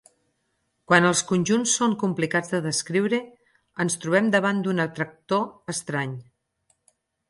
Quan els conjunts són complicats de descriure, ens trobem davant d'un atractor estrany.